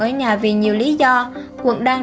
ở nhà vì nhiều lý do quận đang